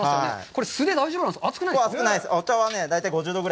これ、素手で大丈夫なんですか！？